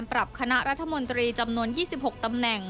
การปรับคณะรัฐมนตรีจำนวน๒๖ตำแหน่ง